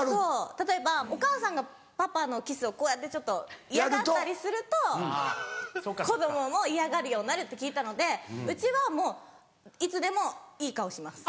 例えばお母さんがパパのキスをこうやってちょっと嫌がったりすると子供も嫌がるようになるって聞いたのでうちはもういつでもいい顔します。